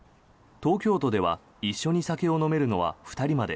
東京都では一緒に酒を飲めるのは２人まで。